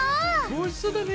おいしそうだね！